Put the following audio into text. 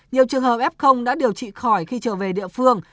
nhiều trường hợp f đã điều trị khỏi khi trở về địa phương